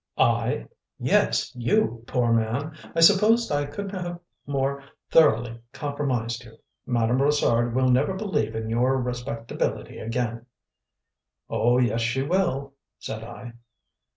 "I!" "Yes, you, poor man! I suppose I couldn't have more thoroughly compromised you. Madame Brossard will never believe in your respectability again." "Oh, yes, she will," said I.